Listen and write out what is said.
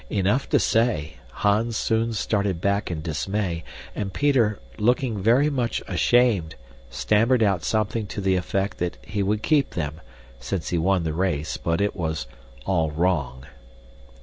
Enough to say, Hans soon started back in dismay, and Peter, looking very much ashamed, stammered out something to the effect that he would keep them, since he won the race, but it was "all wrong."